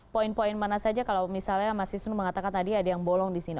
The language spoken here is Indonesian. poin poin mana saja kalau misalnya mas isnu mengatakan tadi ada yang bolong di sini